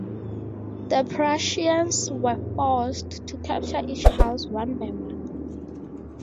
The Prussians were forced to capture each house one by one.